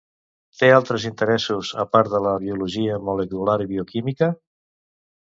Té altres interessos a part de la biologia molecular i bioquímica?